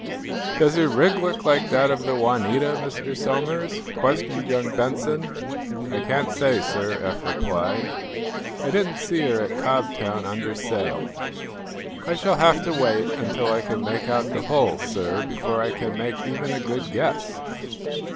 "Does her rig look like that of the 'Juanita,' Mr. Somers?" questioned young Benson. "I can't say, sir," Eph replied. "I didn't see her, at Cobtown, under sail. I shall have to wait until I can make out the hull, sir, before I can make even a good guess."